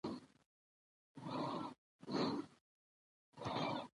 خورې زه يم نورګل.